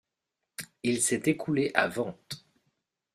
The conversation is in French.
Il s'est écoulé à ventes.